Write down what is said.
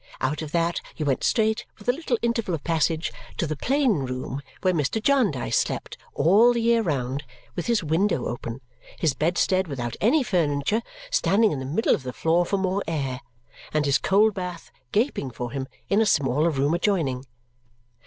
Out of that you went straight, with a little interval of passage, to the plain room where Mr. Jarndyce slept, all the year round, with his window open, his bedstead without any furniture standing in the middle of the floor for more air, and his cold bath gaping for him in a smaller room adjoining.